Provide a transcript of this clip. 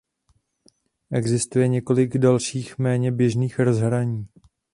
Existuje několik dalších méně běžných rozhraní.